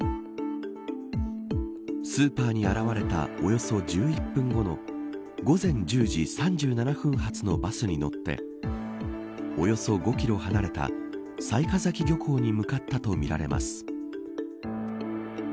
スーパーに現れたおよそ１１分後の午前１０時３７分発のバスに乗っておよそ５キロ離れた雑賀崎漁港に向かったとみられます。